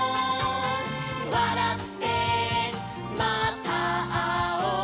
「わらってまたあおう」